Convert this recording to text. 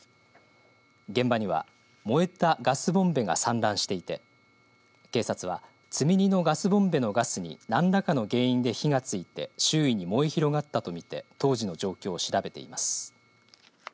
現場には、燃えたガスボンベが散乱していて警察は積み荷のガスボンベのガスに何らかの原因で火が付いて周囲に燃え広がったと見て当時の状況を調べています。